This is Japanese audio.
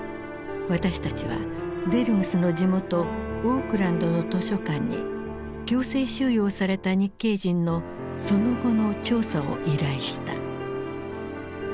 私たちはデルムスの地元オークランドの図書館に強制収容された日系人のその後の調査を依頼した。